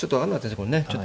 これね。